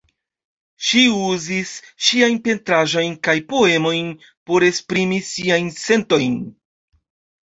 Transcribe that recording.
Ŝi uzis ŝiajn pentraĵojn kaj poemojn por esprimi siajn sentojn.